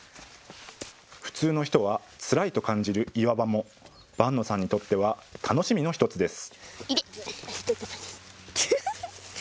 普通の人はつらいと感じる岩場も伴野さんにとっては楽しみの１つです。